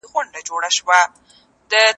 درس به په ساده ډول وړاندې سي.